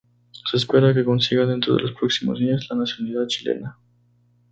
Se espera que consiga dentro de los próximos días la nacionalidad chilena.